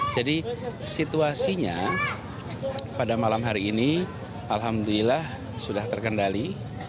jadi situasinya pada malam hari ini alhamdulillah sudah terkendali